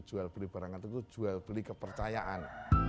jual beli barang antik itu jual beli kepercayaan